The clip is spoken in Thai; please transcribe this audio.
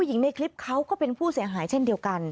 จริงเพราะว่ามันทำให้หนูก็เสีย